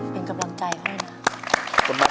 เป็นกำลังใจครับ